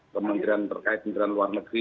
kementerian terkait kementerian luar negeri